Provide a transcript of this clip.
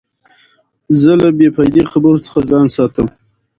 زه له بې فایدې خبرو څخه ځان ساتم.